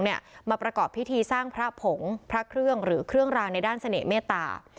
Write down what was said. มาประกอบพิธีสร้างพระผงพระเครื่องหรือเครื่องรางในด้านเสน่หมตา